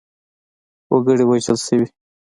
وګړي وژل شوي.